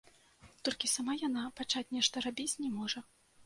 Толькі сама яна пачаць нешта рабіць не можа.